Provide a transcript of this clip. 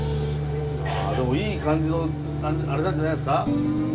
でもいい感じのあれなんじゃないですか？